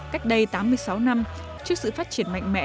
cách đây tám mươi sáu năm trước sự phát triển mạnh mẽ